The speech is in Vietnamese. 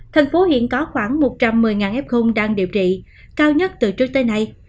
thành phố hiện có khoảng một trăm một mươi f đang điều trị cao nhất từ trước tới nay